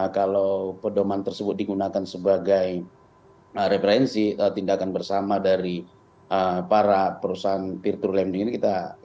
kalau pedoman tersebut digunakan sebagai referensi tindakan bersama dari para perusahaan pirtulam ini